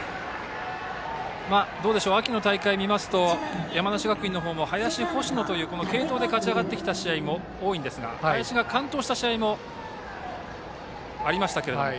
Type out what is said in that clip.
秋の大会を見ますと山梨学院の方も林、星野という継投で勝ち上がってきた試合も多いんですが林が完投した試合もありましたが。